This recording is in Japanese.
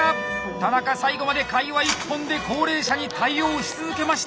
田中最後まで会話一本で高齢者に対応し続けました。